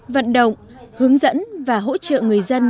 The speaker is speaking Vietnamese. vận động hướng dẫn và hỗ trợ người dân